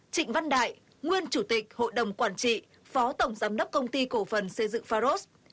trịnh văn đại nguyên chủ tịch hội đồng quản trị phó tổng giám đốc công ty cổ phần xây dựng pharos